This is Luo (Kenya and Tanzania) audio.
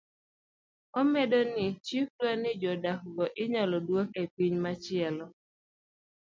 Omedo ni chik dwani jodak go inyalo duoki epiny machielo